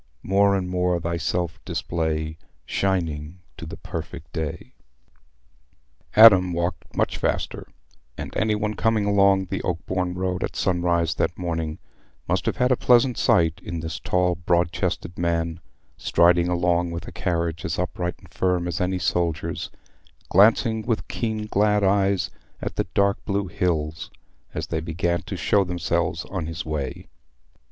More and more thyself display, Shining to the perfect day." Adam walked much faster, and any one coming along the Oakbourne road at sunrise that morning must have had a pleasant sight in this tall broad chested man, striding along with a carriage as upright and firm as any soldier's, glancing with keen glad eyes at the dark blue hills as they began to show themselves on his way.